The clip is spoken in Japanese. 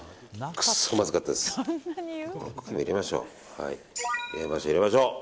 茎も入れましょう。